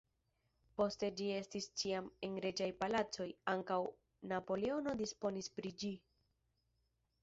Poste ĝi estis ĉiam en reĝaj palacoj, ankaŭ Napoleono disponis pri ĝi.